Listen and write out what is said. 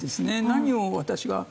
何を私が。